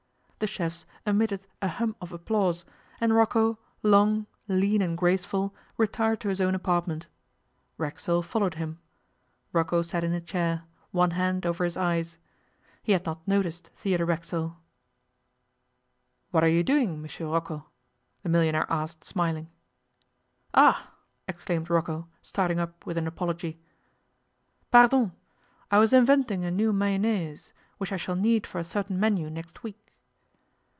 The chefs emitted a hum of applause, and Rocco, long, lean, and graceful, retired to his own apartment. Racksole followed him. Rocco sat in a chair, one hand over his eyes; he had not noticed Theodore Racksole. 'What are you doing, M. Rocco?' the millionaire asked smiling. 'Ah!' exclaimed Rocco, starting up with an apology. 'Pardon! I was inventing a new mayonnaise, which I shall need for a certain menu next week.